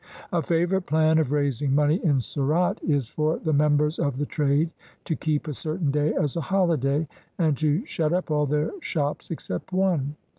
A favorite plan of raising money in Surat is for the members of the trade to keep a certain day as a holiday, and to shut up all their shops except one.